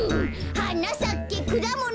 「はなさけくだもの」